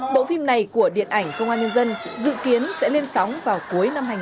bộ phim này của điện ảnh công an nhân dân dự kiến sẽ lên sóng vào cuối năm hai nghìn hai mươi